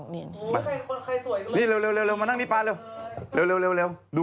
โอ้โฮใครสวยนี่เร็วมานั่งนี่ป้าเร็ว